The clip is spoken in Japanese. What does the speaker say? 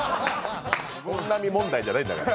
本並問題じゃないんだから。